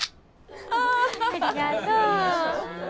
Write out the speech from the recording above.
ありがとう。